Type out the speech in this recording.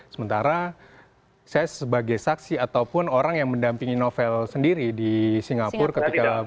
sementara saya sebagai saksi ataupun orang yang mendampingi novel sendiri di singapura ketika